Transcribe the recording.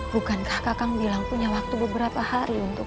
bukankah kakak bilang punya waktu beberapa hari untuk